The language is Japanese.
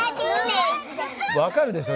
分かるでしょ。